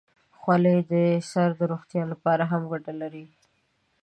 خولۍ د سر د روغتیا لپاره هم ګټه لري.